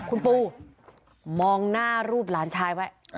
คุณปูมองหน้ารูปหลานชายไว้